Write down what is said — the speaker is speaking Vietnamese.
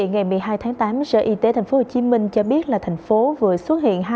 ngày một mươi hai tháng tám sở y tế tp hcm cho biết là thành phố vừa xuất hiện